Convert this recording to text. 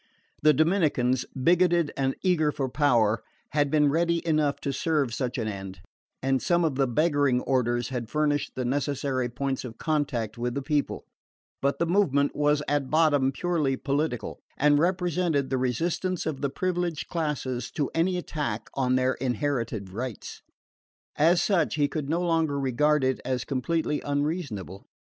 The Dominicans, bigoted and eager for power, had been ready enough to serve such an end, and some of the begging orders had furnished the necessary points of contact with the people; but the movement was at bottom purely political, and represented the resistance of the privileged classes to any attack on their inherited rights. As such, he could no longer regard it as completely unreasonable.